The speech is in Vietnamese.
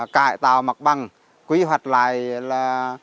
cải tạo mặt bằng quy hoạch lại là